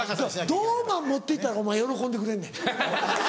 どう持って行ったらお前喜んでくれんねん？